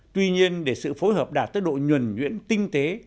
tuy nhiên để sự phối hợp đạt tới độ nhuẩn nhuyễn tinh tế